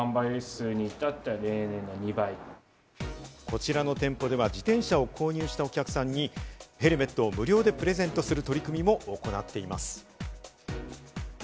こちらの店舗では、自転車を購入したお客さんにヘルメットを無料でプレゼントする取り組みも行っています。